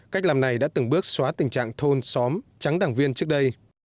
cách làm này đã từng bước xóa tình trạng thôn xóm trắng đảng viên trước đây